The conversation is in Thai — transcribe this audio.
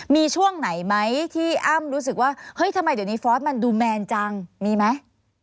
มีช่วงไหนไหมที่อ้ำรู้สึกว่าเฮ้ยทำไมเดี๋ยวนี้ฟอสมันดูแมนจังมีไหม